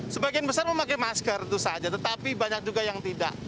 sebagian besar memakai masker itu saja tetapi banyak juga yang tidak